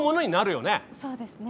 そうですね。